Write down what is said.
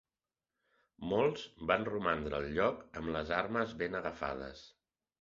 Molts van romandre al lloc amb les armes ben agafades.